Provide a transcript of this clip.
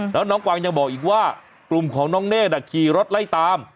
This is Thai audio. แล้วน้องกวางยังบอกอีกว่ากลุ่มของน้องเนธขี่รถไล่ตาม